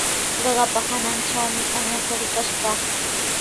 Qaqapa hanantrawmi añasta rikash kaa.